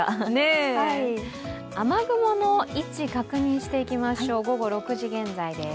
雨雲の位置、確認していきましょう午後６時現在です。